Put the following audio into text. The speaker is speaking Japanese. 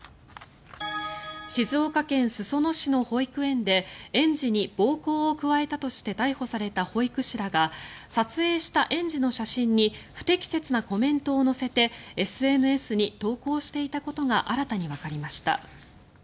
静岡県裾野市の保育園で園児に暴行を加えたとして逮捕された保育士らが撮影した園児の写真に不適切なコメントを載せてＳＮＳに投稿していたことが新たにわかりました。